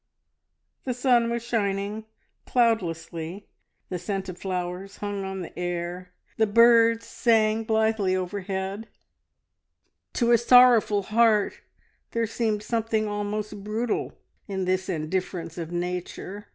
The sun was shining cloudlessly, the scent of flowers hung on the air, the birds sang blithely overhead; to a sorrowful heart there seemed something almost brutal in this indifference of Nature.